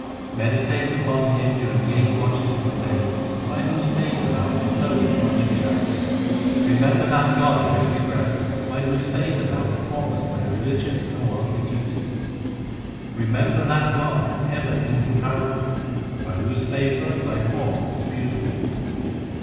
5 Meditate upon Him during the eight watches of the day By whose favour thou bestowest much in charity. Remember that God at every breath By whose favour thou performest thy religious and worldly duties. Remember that God ever incomparable By whose favour thy form is beautiful.